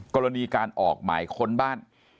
กรณีการออกหมายค้นบ้าน